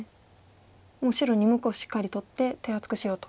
もう白２目をしっかり取って手厚くしようと。